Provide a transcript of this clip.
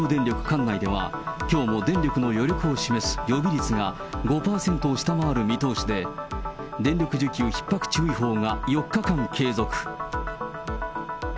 管内では、きょうも電力の余力を示す予備率が５％を下回る見通しで、電力需給ひっ迫注意報が４日間継続。